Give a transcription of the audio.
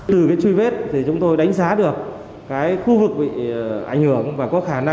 từ truy vết thì chúng tôi đánh giá được khu vực bị ảnh hưởng và có khán giả